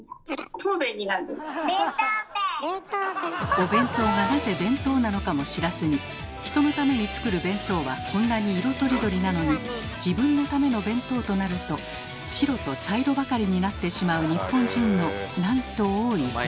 お弁当がなぜ「弁当」なのかも知らずに人のために作る弁当はこんなに色とりどりなのに自分のための弁当となると白と茶色ばかりになってしまう日本人のなんと多いことか。